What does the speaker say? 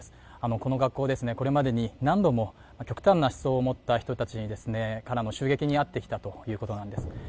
この学校、これまでに何度も極端な思想を持った人たちに襲撃に遭ってきたということです。